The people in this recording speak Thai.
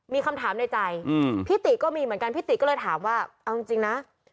มีคำถามในใจพี่ติก็มีเหมือนกันพี่ติก็เลยถามว่าเอาจริงนะ